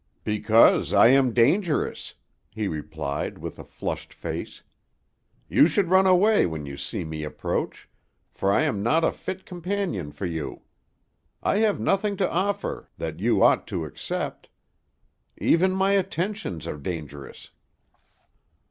"Because I am dangerous," he replied, with a flushed face. "You should run away when you see me approach, for I am not a fit companion for you. I have nothing to offer that you ought to accept; even my attentions are dangerous."